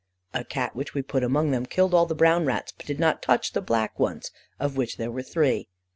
A Cat which we put among them killed all the brown rats, but did not touch the black ones, of which there were three.